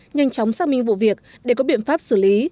nhanh chóng xác minh vụ việc để có biện pháp xử lý